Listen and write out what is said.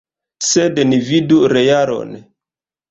Sed ni vidu realon.